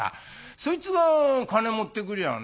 そいつが金持ってくりゃあね